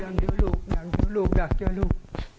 อยากดูลูกอยากดูลูกอยากเจอลูก